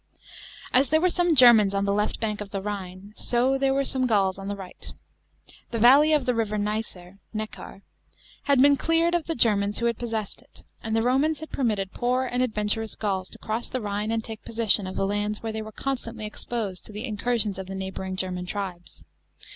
§ 8. As there were some Germans on the left bank of the Rhine, so there were some Gauls on the right. The valley of the river Nicer (Neckar) had been cleared of the Germans who had possessed it, and the Romans had permitted poor and adventurous Gauls to cross the Rhine and take possession of lands where they were constantly exposed to the incursions of the neighbouring German tribes.